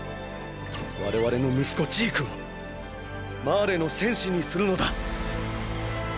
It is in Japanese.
我々の息子ジークを「マーレの戦士」にするのだ。